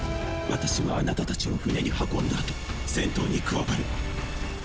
私はあなたたちを船に運んだ後戦闘に加わる。